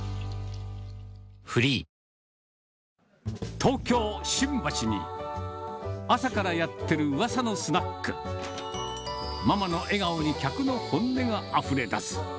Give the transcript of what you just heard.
東京・新橋に、朝からやってるうわさのスナック、ママの笑顔に客の本音があふれ出す。